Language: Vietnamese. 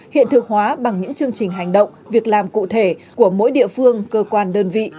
hiện thực hóa bằng những chương trình hành động việc làm cụ thể của mỗi địa phương cơ quan đơn vị